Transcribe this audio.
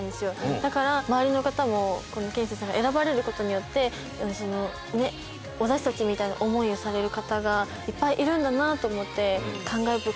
だから周りの方もＫＥＮＳＥＩさんが選ばれることによって私たちみたいな思いをされる方がいっぱいいるんだなと思って。